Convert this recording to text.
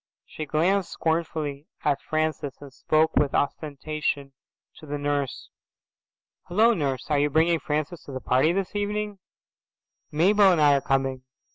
She glanced scornfully at Francis and spoke with ostentation to the nurse. "Hello, Nurse. Are you bringing Francis to the party this evening? Mabel and I are coming."